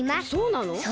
そうなの？